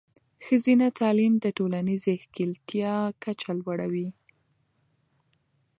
ښځینه تعلیم د ټولنیزې ښکیلتیا کچه لوړوي.